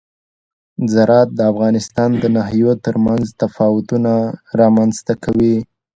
زراعت د افغانستان د ناحیو ترمنځ تفاوتونه رامنځ ته کوي.